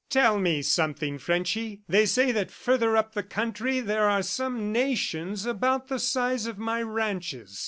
"Tell me something, Frenchy! They say that further up the country, there are some nations about the size of my ranches.